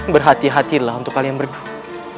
berhati hatilah untuk kalian berdua